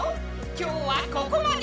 今日はここまで！